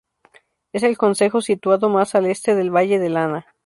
Es el concejo situado más al este del valle de Lana.